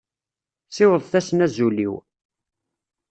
Siwḍet-asen azul-iw.